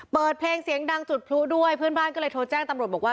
เปิดเพลงเสียงดังจุดพลุด้วยเพื่อนบ้านก็เลยโทรแจ้งตำรวจบอกว่า